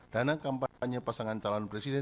dana kampanye pasangan calon presiden